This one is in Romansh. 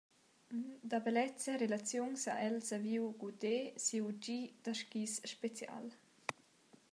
Da bellezia relaziuns ha el saviu guder siu gi da skis special.